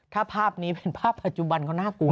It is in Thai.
ถ้าภาพนี้เป็นภาพปัจจุบันเขาน่ากลัว